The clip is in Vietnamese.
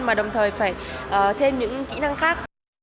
mà đồng thời phải thêm những kỹ năng khác